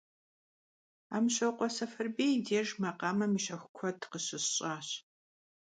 Амщокъуэ Сэфарбий и деж макъамэм и щэху куэд къыщысщӀащ.